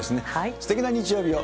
すてきな日曜日を。